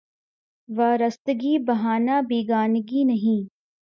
وارستگی بہانۂ بیگانگی نہیں